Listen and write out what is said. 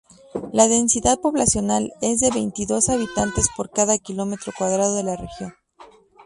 La densidad poblacional es de veintidós habitantes por cada kilómetro cuadrado de la región.